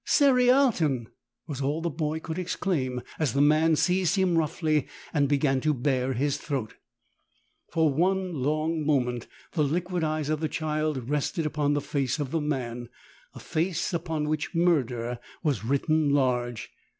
"Cerialtonr was all the boy could exclaim as the man seized him roughly and began to bare his throat. For one long moment the liquid eyes of the child rested upon the face of the man — a face upon which murder was written large.